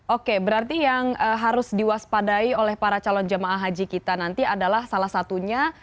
oke berarti yang harus diwaspadai oleh para calon jemaah haji kita nanti adalah salah satunya